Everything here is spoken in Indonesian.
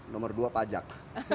nomor dua pajak